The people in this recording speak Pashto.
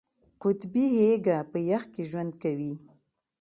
قطبي هیږه په یخ کې ژوند کوي